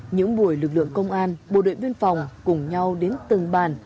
những buổi lực lượng công an bộ đội biên phòng cùng nhau đến từng bàn